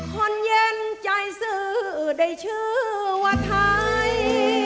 คนเย็นใจซื้อได้ชื่อว่าไทย